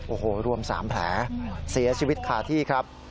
โอ้โหรวม๓แผลเสียชีวิตคาที่ครับ